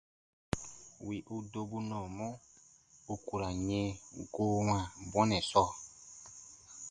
Wì u dobu nɔɔmɔ, u ku ra n yɛ̃ goo wãa bɔnɛ sɔɔ.